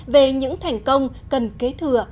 về những thành công cần kế thừa